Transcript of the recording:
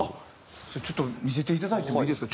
それちょっと見せていただいてもいいですか？